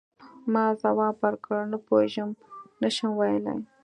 ما ځواب ورکړ: نه پوهیږم، نه شم ویلای.